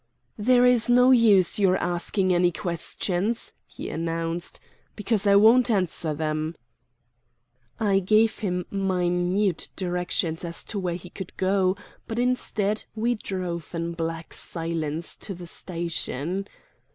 "There is no use your asking any questions," he announced, "because I won't answer them." I gave him minute directions as to where he could go; but instead we drove in black silence to the station.